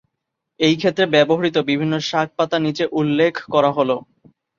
এই ক্ষেত্রে ব্যবহৃত বিভিন্ন শাক-পাতা নিচে উল্লেখ করা হল।